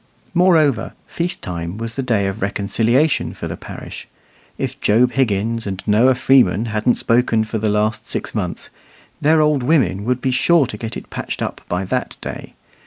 Moreover, feast time was the day of reconciliation for the parish. If Job Higgins and Noah Freeman hadn't spoken for the last six months, their "old women" would be sure to get it patched up by that day.